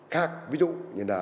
khác ví dụ như là